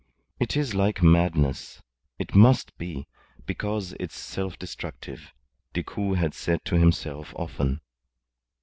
"It is like madness. It must be because it's self destructive," Decoud had said to himself often.